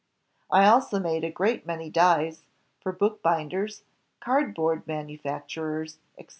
"I also made a great many dies ... for bookbinders, cardboard manufacturers, etc.